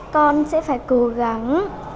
con sẽ phải cố gắng